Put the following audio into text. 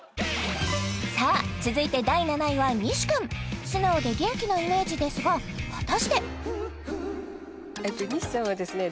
さあ続いて第７位は西くん素直で元気なイメージですが果たして西さんはですね